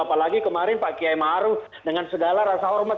apalagi kemarin pak kiai maruf dengan segala rasa hormat